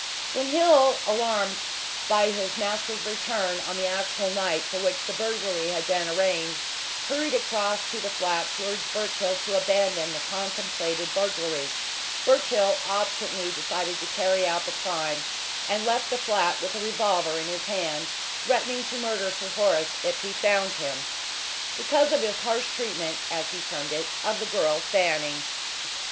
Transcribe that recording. When Hill, alarmed by his master's return on the actual night for which the burglary had been arranged, hurried across to the flat to urge Birchill to abandon the contemplated burglary, Birchill obstinately decided to carry out the crime, and left the flat with a revolver in his hand, threatening to murder Sir Horace if he found him, because of his harsh treatment as he termed it of the girl Fanning.